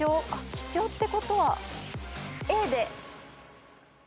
貴重ってことは。